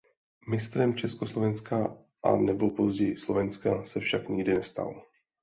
Mistrem Československa a nebo později Slovenska se však nikdy nestal.